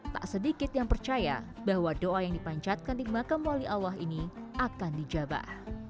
tak sedikit yang percaya bahwa doa yang dipancatkan di makam wali allah ini akan dijabah